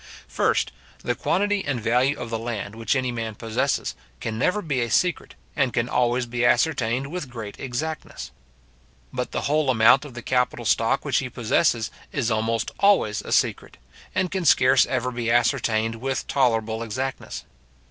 First, the quantity and value of the land which any man possesses, can never be a secret, and can always be ascertained with great exactness. But the whole amount of the capital stock which he possesses is almost always a secret, and can scarce ever be ascertained with tolerable exactness.